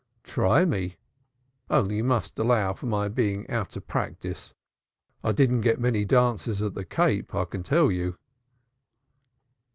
"Try me, only you must allow for my being out of practice. I didn't get many dances at the Cape, I can tell you."